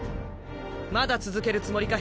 まだ続けるつもりか？